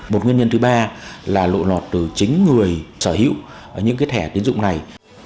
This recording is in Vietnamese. một nguyên nhân thứ ba là lộ lọt từ chính người sở hữu những thẻ tiến dụng này